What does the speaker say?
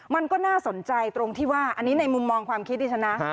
มันก็น่าสนใจตรงที่ว่าอันนี้ในมุมมองความคิดดิฉันนะ